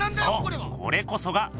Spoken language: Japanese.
そうこれこそが！